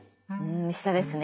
ん下ですね。